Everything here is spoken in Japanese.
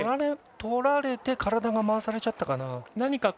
とられて体が回されちゃったかな。